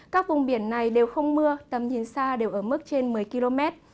các vùng biển này đều không mưa tầm nhìn xa đều ở mức trên một mươi km